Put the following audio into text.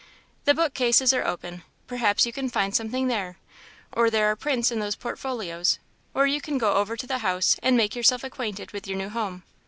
The bookcases are open perhaps you can find something there; or there are prints in those portfolios; or you can go over to the house and make yourself acquainted with your new home.